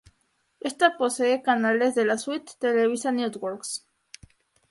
Esta posee canales de la suite Televisa Networks.